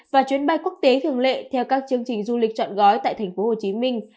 và chuyến bay quốc tế thường lệ theo các chương trình du lịch chọn gói tại thành phố hồ chí minh